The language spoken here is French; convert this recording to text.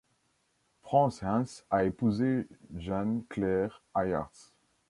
Frans Hens a épousé Jeanne Claire Aerts.